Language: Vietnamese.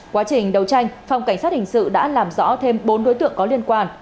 quá trình đấu tranh phòng cảnh sát hình sự đã làm rõ thêm bốn đối tượng có liên quan